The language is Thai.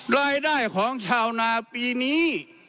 รายได้ของชาวนาปีนี้